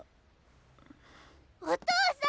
お父さん！